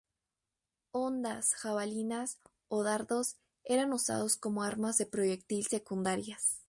Hondas, jabalinas o dardos eran usadas como armas de proyectil secundarias.